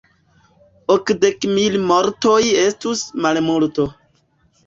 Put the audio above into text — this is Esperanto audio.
Okdek mil mortoj estus malmulto.